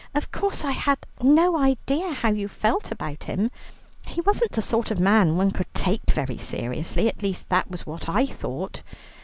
Of course I had no idea how you felt about him. He wasn't the sort of man one could take very seriously, at least that was what I thought.